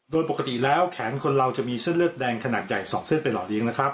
โดยปกติแล้วแขนคนเราจะมีเส้นเลือดแดงขนาดใหญ่๒เส้นไปหล่อเลี้ยงนะครับ